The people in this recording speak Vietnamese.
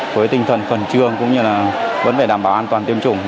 với tinh thần phần trương cũng như là vẫn phải đảm bảo an toàn tiêm chủng